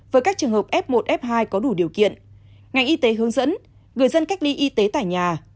với các trường hợp f một f hai có đủ điều kiện ngành y tế hướng dẫn người dân cách ly y tế tại nhà